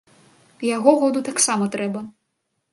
Яго году таксама трэба.